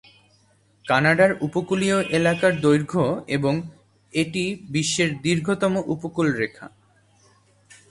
কানাডার উপকূলীয় এলাকার দৈর্ঘ্য এবং এটি বিশ্বের দীর্ঘতম উপকূল রেখা।